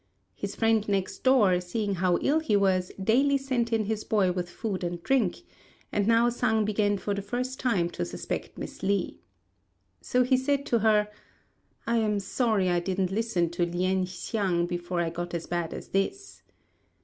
His friend next door, seeing how ill he was, daily sent in his boy with food and drink; and now Sang began for the first time to suspect Miss Li. So he said to her, "I am sorry I didn't listen to Lien hsiang before I got as bad as this."